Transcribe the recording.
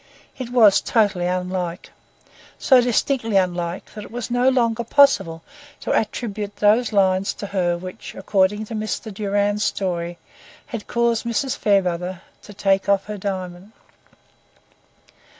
It was totally unlike; so distinctly unlike that it was no longer possible to attribute those lines to her which, according to Mr. Durand's story, had caused Mrs. Fairbrother to take off her diamond.